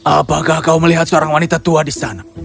apakah kau melihat seorang wanita tua di sana